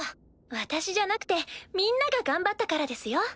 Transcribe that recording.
私じゃなくてみんなが頑張ったからですよ。